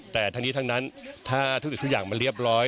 แต่ทั้งนี้ทั้งนั้นถ้าธุรกิจทุกอย่างมันเรียบร้อย